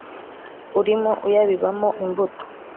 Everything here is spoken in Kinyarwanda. urimo uyabibamo imbuto